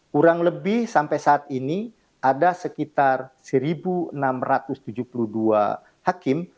kurang lebih sampai saat ini ada sekitar satu enam ratus tujuh puluh dua hakim